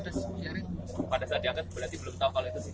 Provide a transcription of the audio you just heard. pada saat diangkat berarti belum tahu kalau itu cvr